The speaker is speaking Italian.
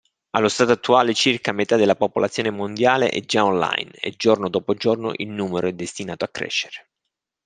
Allo stato attuale circa metà della popolazione mondiale è già online e giorno dopo giorno il numero è destinato a crescere.